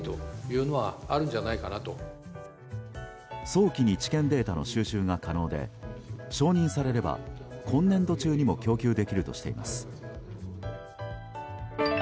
早期に治験データの収集が可能で承認されれば今年度中にも供給できるとしています。